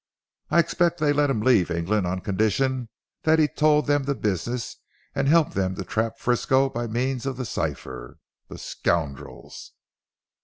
"I expect they let him leave England on condition that he told them the business and helped them to trap Frisco by means of the cipher. The scoundrels!"